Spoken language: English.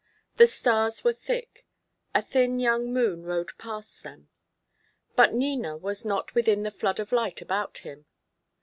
The stars were thick; a thin young moon rode past them. But Nina was not within the flood of light about him.